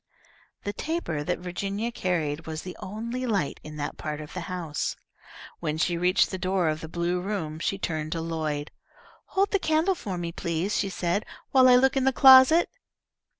The taper that Virginia carried was the only light in that part of the house. When she reached the door of the blue room she turned to Lloyd. "Hold the candle for me, please," she said, "while I look in the closet."